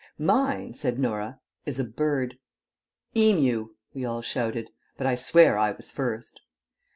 "Mine," said Norah, "is a bird." "Emu," we all shouted; but I swear I was first.